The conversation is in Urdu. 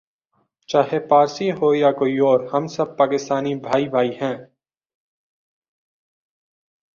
چاہے پارسی ہو یا کوئی اور ہم سب پاکستانی بھائی بھائی ہیں